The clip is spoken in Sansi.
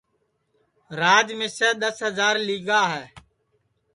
راج مِسیں دؔس ہجار لی گا ہے